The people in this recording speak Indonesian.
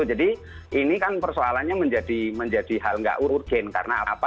jadi ini kan persoalannya menjadi hal gak urgen karena apa